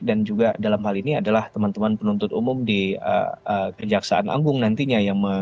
dan juga dalam hal ini adalah teman teman penuntut umum di kejaksaan anggung nantinya